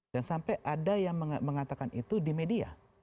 dan sampai ada yang mengatakan itu di media